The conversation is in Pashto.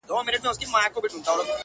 کار خو مو داسې اهل کار ته سپارلی